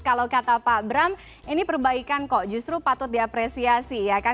kalau kata pak bram ini perbaikan kok justru patut diapresiasi ya kan